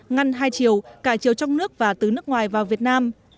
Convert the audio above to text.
ngăn hai chiều cả chiều trong nước và từ nước ngoài vào việt nam